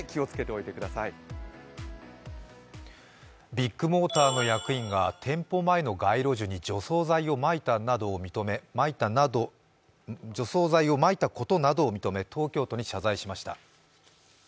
ビッグモーターの役員が店舗前に除草剤をまいたことを認め東京都に謝罪しました。